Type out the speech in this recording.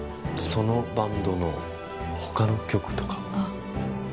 そのバンドの他の曲とかは？